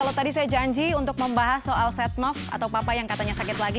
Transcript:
kalau tadi saya janji untuk membahas soal setnov atau papa yang katanya sakit lagi